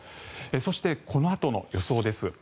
そして、このあとの予想です。